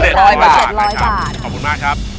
ขอบคุณมากครับ